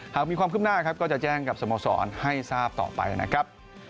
หากมีความขึ้นหน้าครับก็จะแจ้งกับสโมสรให้ทราบต่อไปนะครับ